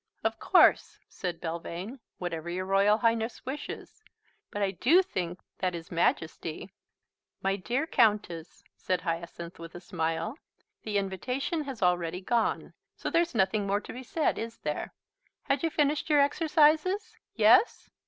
"Of course," said Belvane, "whatever your Royal Highness wishes, but I do think that His Majesty " "My dear Countess," said Hyacinth, with a smile, "the invitation has already gone, so there's nothing more to be said, is there? Had you finished your exercises? Yes?